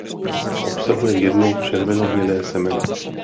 Obsahuje jedno červenohnědé semeno.